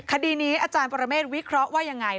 คดีนี้อาจารย์ปรเมฆวิเคราะห์ว่ายังไง